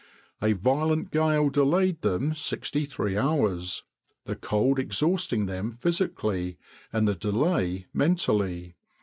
"A violent gale delayed them sixty three hours, the cold exhausting them physically and the delay mentally.